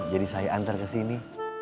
jadi saya antar ke sini